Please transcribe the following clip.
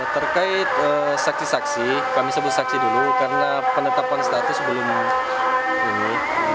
terkait saksi saksi kami sebut saksi dulu karena penetapan status belum ini